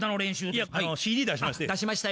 いやＣＤ出しまして。